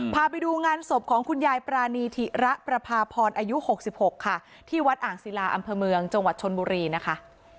พาไปดูงานศพของคุณยายปรานีธิระประพาพรอายุ๖๖ค่ะที่วัดอ่างศิลาอำเภอเมืองจังหวัดชนบุรีนะคะ